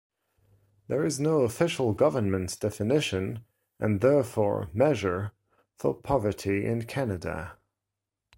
There is no official government definition and therefore, measure, for poverty in Canada.